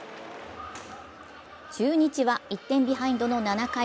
中日は１点ビハインドの７回。